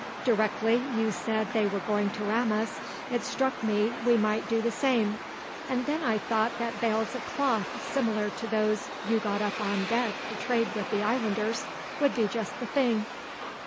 Directly you said they were going to ram us it struck me we might do the same, and then I thought that bales of cloth, similar to those you got up on deck to trade with the islanders would be just the thing."